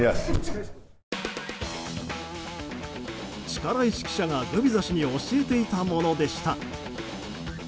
力石記者がグビザ氏に教えていたものでした。